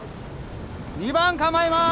二番構えます。